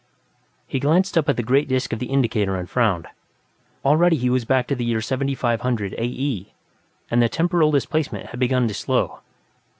He glanced up at the great disc of the indicator and frowned. Already he was back to the year 7500, A.E., and the temporal displacement had not begun to slow.